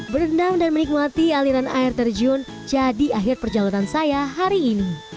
berendam dan menikmati aliran air terjun jadi akhir perjalanan saya hari ini